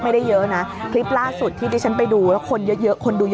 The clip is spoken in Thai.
ไม่ได้เยอะนะคลิปล่าสุดที่ได้ฉันไปดูคนเยอะคนดู